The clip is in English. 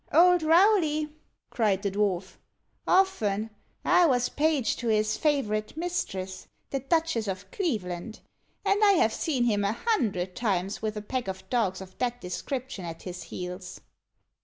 old Rowley?" cried the dwarf "often. I was page to his favourite mistress, the Duchess of Cleveland, and I have seen him a hundred times with a pack of dogs of that description at his heels."